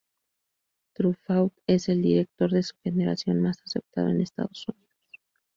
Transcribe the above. Truffaut es el director de su generación más aceptado en Estados Unidos.